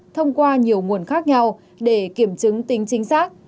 thông qua nhiều nguồn khác nhau để kiểm chứng tính chính xác